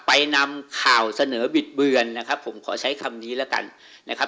นำข่าวเสนอบิดเบือนนะครับผมขอใช้คำนี้แล้วกันนะครับ